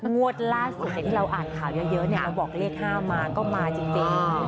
งวดล่าสุดที่เราอ่านข่าวเยอะเราบอกเลข๕มาก็มาจริง